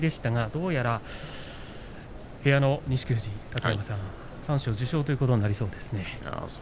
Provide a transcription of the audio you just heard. どうやら部屋の錦富士三賞受賞ということになりそうですね。